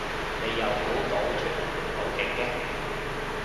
你又估到出唔到境嘅